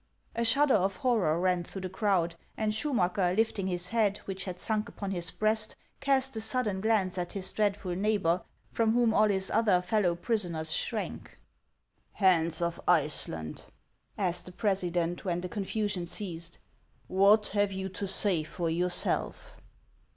A .shudder of horror ran through the crowd, and Schu raacker, lifting his head, which had sunk upon his breast, cast a sudden glance at hi.s dreadful neighbor, from whom all hi.s other fellow prisoners shrank. " Hans of Iceland," asked the president, when the con fasion ceased, " what have you to .say for yourself